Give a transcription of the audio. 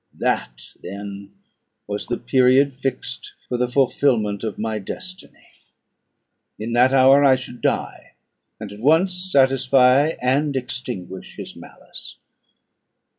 _" That then was the period fixed for the fulfilment of my destiny. In that hour I should die, and at once satisfy and extinguish his malice.